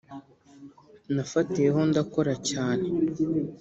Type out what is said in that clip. nafatiyeho ndakora cyane